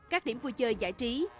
các điểm vui chơi giải trí